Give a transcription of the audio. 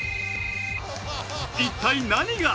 一体何が？